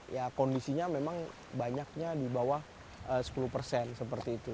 ya kondisinya memang banyaknya di bawah sepuluh persen seperti itu